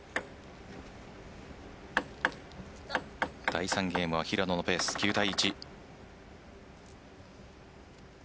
第３ゲームは平野のペース９対１